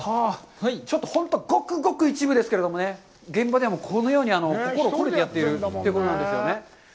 ちょっと本当にごくごく一部ですけれどもね、現場ではこのように心をこめてやっているということですね。